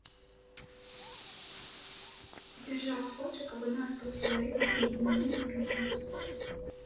Дзяржава хоча, каб у нас быў сярэдні і буйны бізнес.